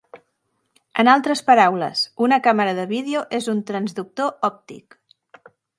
En altres paraules, una càmera de vídeo és un transductor òptic.